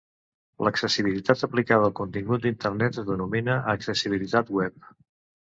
L'accessibilitat aplicada al contingut d'Internet es denomina accessibilitat web.